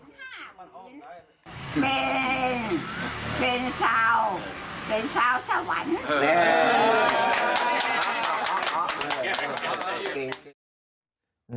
เป็นเป็นชาวสะหวัน